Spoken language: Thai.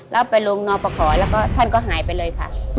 แล้วไปลงนอปขอแล้วก็ท่านก็หายไปเลยค่ะ